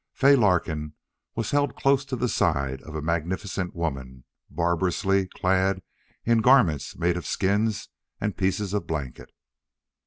Fay Larkin was held close to the side of a magnificent woman, barbarously clad in garments made of skins and pieces of blanket.